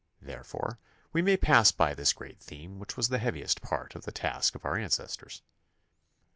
Therefore we may pass by this great theme which was the heaviest part of the task of our ancestors.